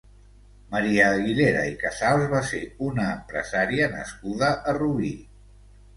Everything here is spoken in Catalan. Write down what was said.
Maria Aguilera i Casals va ser una empresària nascuda a Rubí.